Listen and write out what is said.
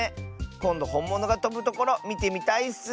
こんどほんものがとぶところみてみたいッス。